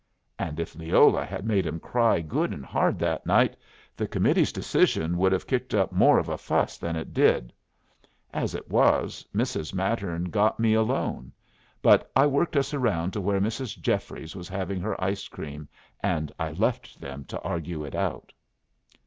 And if Leola had made 'em cry good and hard that night, the committee's decision would have kicked up more of a fuss than it did. As it was, Mrs. Mattern got me alone; but I worked us around to where Mrs. Jeffries was having her ice cream, and I left them to argue it out."